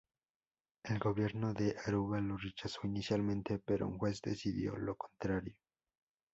El gobierno de Aruba lo rechazó inicialmente, pero un juez decidió lo contrario.